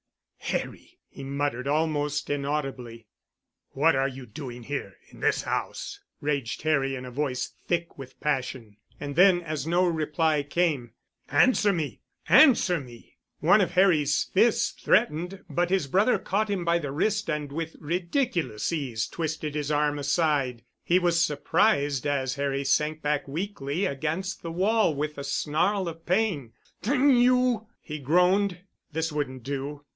"Harry!" he muttered, almost inaudibly. "What are you doing here—in this house?" raged Harry in a voice thick with passion. And then, as no reply came, "Answer me! Answer me!" One of Harry's fists threatened but his brother caught him by the wrist and with ridiculous ease twisted his arm aside. He was surprised as Harry sank back weakly against the wall with a snarl of pain. "D—n you," he groaned. This wouldn't do.